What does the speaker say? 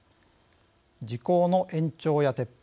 時効の延長や撤廃。